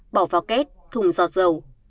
bỏ vào két thùng giọt dầu